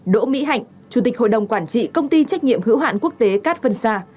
đỗ mỹ hạnh chủ tịch hội đồng quản trị công ty trách nhiệm hữu hạn quốc tế cát vân sa